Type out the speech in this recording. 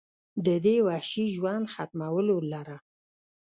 د دې وحشي ژوند ختمولو لره